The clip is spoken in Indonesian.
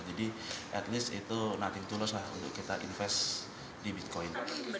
jadi at least itu nothing to lose lah untuk kita investasi di bitcoin